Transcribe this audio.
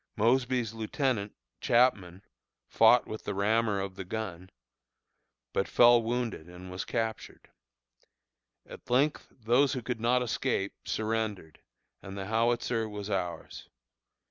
Mosby's lieutenant, Chapman, fought with the rammer of the gun, but fell wounded and was captured. At length those who could not escape surrendered, and the howitzer was ours.